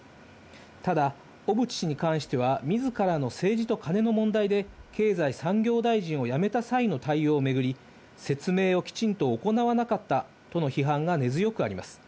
ただ、小渕氏に関してはみずからの政治とカネの問題で、経済産業大臣を辞めた際の対応を巡り、説明をきちんと行わなかったとの批判が根強くあります。